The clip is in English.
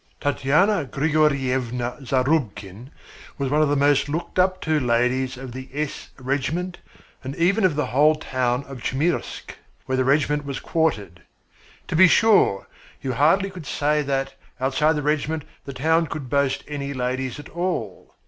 Tatyana Grigoryevna Zarubkin was one of the most looked up to ladies of the S Regiment and even of the whole town of Chmyrsk, where the regiment was quartered. To be sure, you hardly could say that, outside the regiment, the town could boast any ladies at all.